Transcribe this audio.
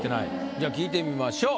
じゃあ聞いてみましょう。